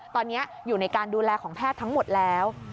ตอนนี้อยู่ในการดูแลของแพทย์ทั้งหมดแล้ว